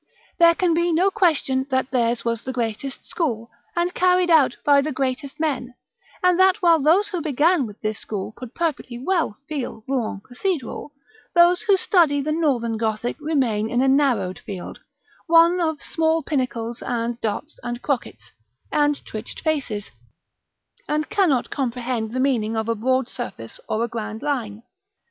There can be no question that theirs was the greatest school, and carried out by the greatest men; and that while those who began with this school could perfectly well feel Rouen Cathedral, those who study the Northern Gothic remain in a narrowed field one of small pinnacles, and dots, and crockets, and twitched faces and cannot comprehend the meaning of a broad surface or a grand line.